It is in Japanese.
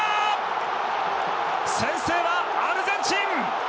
先制はアルゼンチン！